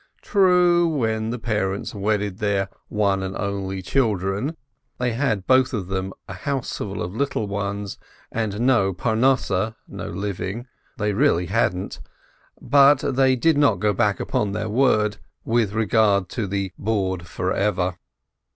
True, when the parents wedded their "one and only children," they had both of them a houseful of little ones and no Parnosseh (they really hadn't !), but they did not go back upon their word with regard to the "board forever."